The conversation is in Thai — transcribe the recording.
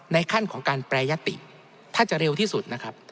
ขั้นของการแปรยติถ้าจะเร็วที่สุดนะครับ